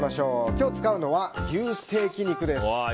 今日使うのは牛ステーキ肉です。